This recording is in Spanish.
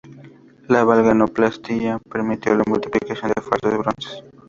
La galvanoplastia permitió la multiplicación de falsos bronces.